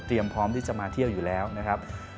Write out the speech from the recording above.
พร้อมที่จะมาเที่ยวอยู่แล้วนะครับ